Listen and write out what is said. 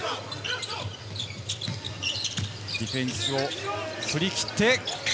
ディフェンスを振り切って。